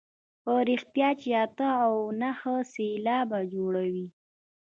په رښتیا چې اته او نهه سېلابه جوړوي.